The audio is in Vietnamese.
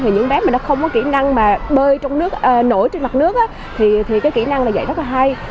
thì những bé mà nó không có kỹ năng mà bơi trong nước nổi trên mặt nước thì cái kỹ năng là dạy rất là hay